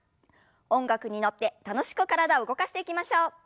音楽に乗って楽しく体動かしていきましょう。